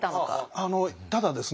あのただですね